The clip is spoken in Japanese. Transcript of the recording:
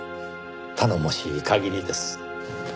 頼もしい限りです。